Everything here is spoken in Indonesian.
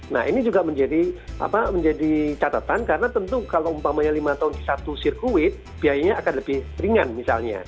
nah ini juga menjadi catatan karena tentu kalau umpamanya lima tahun di satu sirkuit biayanya akan lebih ringan misalnya